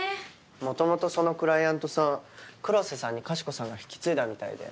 元々そのクライアントさん黒瀬さんにかしこさんが引き継いだみたいで。